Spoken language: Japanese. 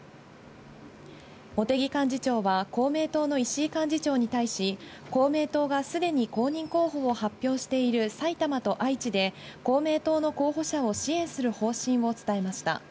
茂木幹事長は、公明党の石井幹事長に対し、公明党がすでに公認候補を発表している埼玉と愛知で、公明党の候補者を支援する方針を伝えました。